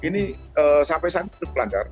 ini sampai saat ini sudah pelancar